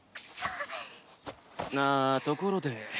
ああところで。